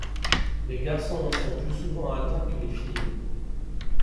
Les garçons en sont plus souvent atteints que les filles.